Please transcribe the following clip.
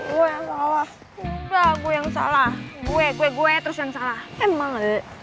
gue yang salah gue gue gue terus yang salah emang